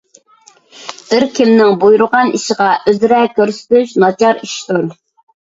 بىر كىمنىڭ بۇيرۇغان ئىشىغا ئۆزرە كۆرسىتىش ناچار ئىشتۇر